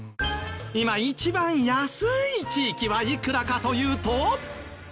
今一番安い地域はいくらかというと。